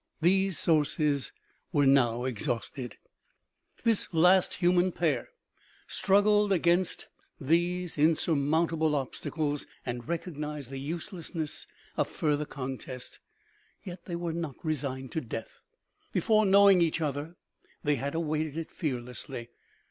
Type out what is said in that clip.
These sources were now exhausted. 262 OMEGA. This last human pair struggled against these insur mountable obstacles, and recognized the uselessness of farther contest, yet they were not resigned to death. Be fore knowing each other they had awaited it fearlessly.